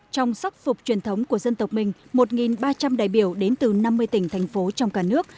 trong sắc phục truyền thống của dân tộc mình một ba trăm linh đại biểu đến từ năm mươi tỉnh thành phố trong cả nước